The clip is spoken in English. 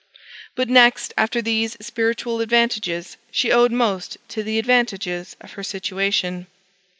But, next after these spiritual advantages, she owed most to the advantages of her situation.